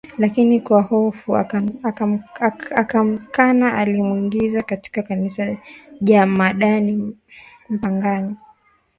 lakini kwa hofu akamkana Alimwingiza katika Kanisa jemadari Mpagani